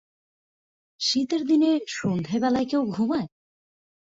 শীতের দিনের সন্ধ্যাবেলায় কেউ ঘুমায়?